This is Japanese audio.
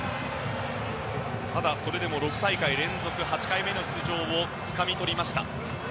ただ、それでも６大会連続８回目の出場を勝ち取りました。